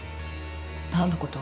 何のこと。